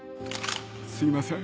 すいません。